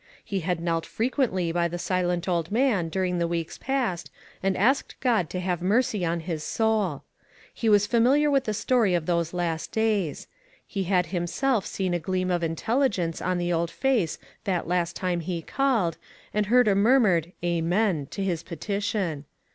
He hud knelt frequently by the silent old man during the weeks past, and asked God to have mercy on his soul. He was familiar with the story of those last days. He had himself seen a gleam of intelligence on the old face that last time he called, and heard a murmured "amen" to his petition.